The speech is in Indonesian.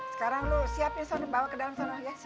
sekarang lo siapin bawa ke dalam sana ya